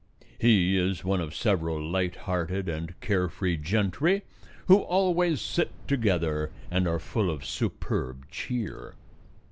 He is one of several light hearted and carefree gentry who always sit together and are full of superb cheer.